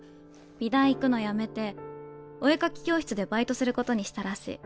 美大行くのやめてお絵描き教室でバイトすることにしたらしい。